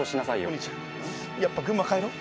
お兄ちゃんやっぱ群馬帰ろう。